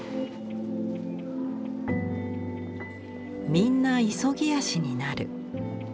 「みんな急ぎ足になる。